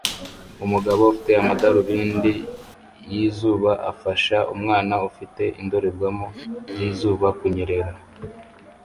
Umugabo ufite amadarubindi yizuba afasha umwana ufite indorerwamo zizuba kunyerera